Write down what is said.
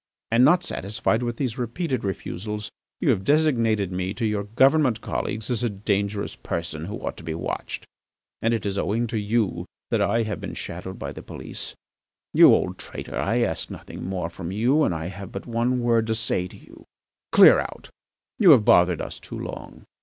And not satisfied with these repeated refusals you have designated me to your Government colleagues as a dangerous person, who ought to be watched, and it is owing to you that I have been shadowed by the police. You old traitor! I ask nothing more from you and I have but one word to say to you: Clear out; you have bothered us too long.